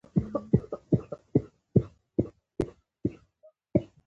ګوړه یا بوره، شین تازه مرچک، ممیز او پاکه شوې هوګه ورته اړین دي.